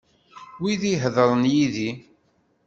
Wid d-iheddren yid-i.